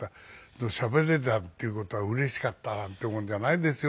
でもしゃべれたっていう事はうれしかったなんてもんじゃないですよ。